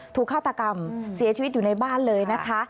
ฆาตกรรมเสียชีวิตอยู่ในบ้านเลยนะคะ